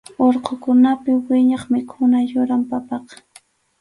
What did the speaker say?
Urqukunapi wiñaq mikhuna yuram papaqa.